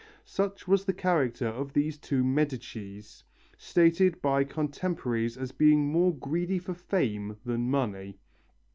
Such was the character of these two Medicis, stated by contemporaries as being more greedy for fame than money.